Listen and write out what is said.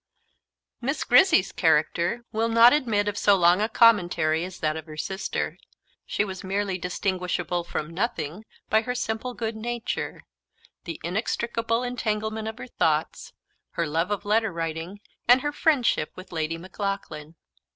Miss Grizzy's character will not admit of so long a commentary as that of her sister. She was merely distinguishable from nothing by her simple good nature, the inextricable entanglement of her thoughts, her love of letter writing, and her friendship with Lady Maclaughlan.